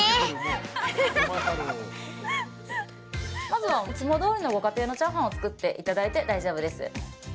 まずは、いつもどおりのご家庭のチャーハンを作っていただいて大丈夫です。